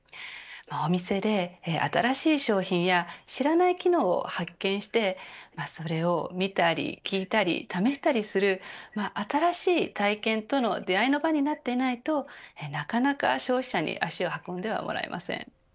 お店で、新しい商品や知らない機能を発見してそれを見たり、聞いたり試したりする新しい体験との出会いの場になっていないとなかなか消費者に足を運んではもらえません。